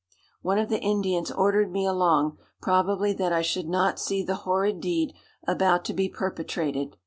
"One of the Indians ordered me along, probably that I should not see the horrid deed about to be perpetrated.